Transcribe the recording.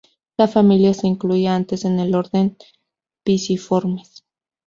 La familia se incluía antes en el orden Piciformes.